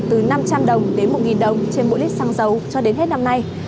từ năm trăm linh đồng đến một đồng trên mỗi lít xăng dầu cho đến hết năm nay